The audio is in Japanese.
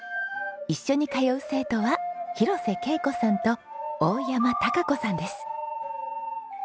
一緒に通う生徒は廣瀬恵子さんと大山孝子さんです。